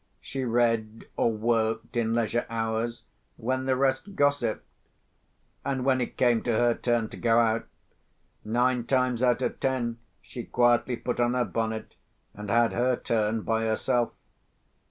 She read or worked in leisure hours when the rest gossiped. And when it came to her turn to go out, nine times out of ten she quietly put on her bonnet, and had her turn by herself.